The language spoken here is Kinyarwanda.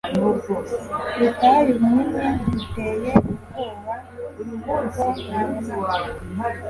butayu bunini buteye ubwoba ubwo mwabonaga